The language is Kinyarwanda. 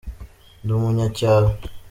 ndumunyacyaro